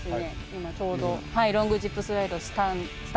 今ちょうどロングジップスライドスタンバイが。